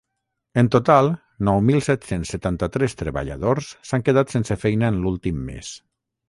En total nou mil set-cents setanta-tres treballadors s’han quedat sense feina en l’últim mes.